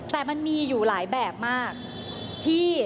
แต่มันมีอยู่หลายแบบมากที่